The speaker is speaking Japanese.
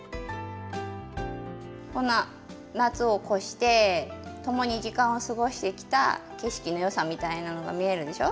こんな夏を越してともに時間を過ごしてきた景色のよさみたいなのが見えるでしょ。